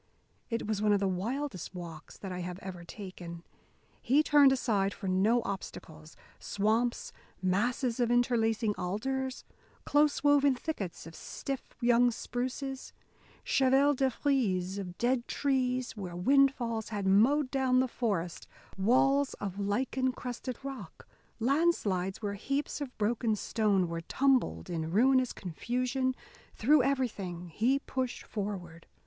It was one of the wildest walks that I have ever taken. He turned aside for no obstacles; swamps, masses of interlacing alders, close woven thickets of stiff young spruces, chevaux de frise of dead trees where wind falls had mowed down the forest, walls of lichen crusted rock, landslides where heaps of broken stone were tumbled in ruinous confusion through everything he pushed forward.